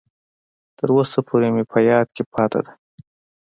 تر اوسه پورې مې په یاد کې پاتې ده.